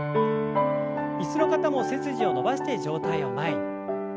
椅子の方も背筋を伸ばして上体を前に。